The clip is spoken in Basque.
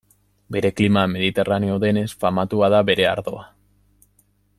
Bere klima mediterraneo denez, famatua da bere ardoa.